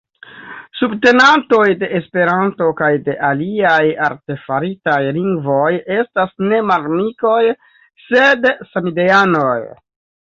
Subtenantoj de Esperanto kaj de aliaj artefaritaj lingvoj estas ne malamikoj, sed samideanoj.